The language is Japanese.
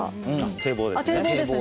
堤防ですね。